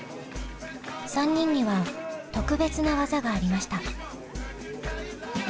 ３人には特別な技がありました。